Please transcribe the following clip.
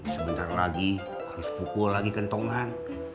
sebentar lagi harus pukul lagi kentongan